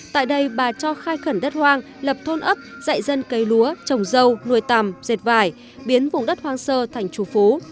tại đây bà cho khai khẩn đất hoang lập thôn ấp dạy dân cây lúa trồng dâu nuôi tằm dệt vải biến vùng đất hoang sơ thành chủ phú